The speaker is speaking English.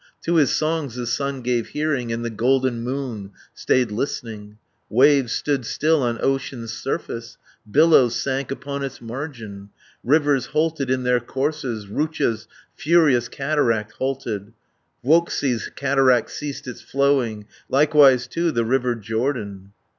To his songs the sun gave hearing, And the golden moon stayed listening, Waves stood still on ocean's surface, Billows sank upon its margin, Rivers halted in their courses, Rutja's furious cataract halted, 570 Vuoksi's cataract ceased its flowing, Likewise, too, the river Jordan.